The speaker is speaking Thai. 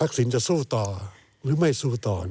สินจะสู้ต่อหรือไม่สู้ต่อ